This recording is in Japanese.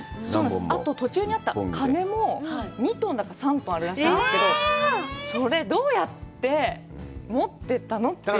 あと途中にあった鐘も２トンとか３トンあるらしいんですけどそれどうやって持っていったの？という。